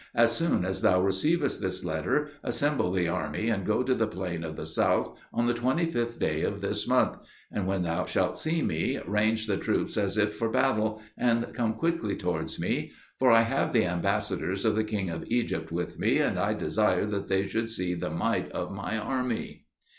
As soon as thou receivest this letter, assemble the army, and go to the plain of the south, on the 25th day of this month; and when thou shalt see me, range the troops as if for battle, and come quickly towards me: for I have the ambassadors of the king of Egypt with me, and I desire that they should see the might of my army."